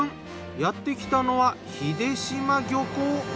やってきたのは日出島漁港。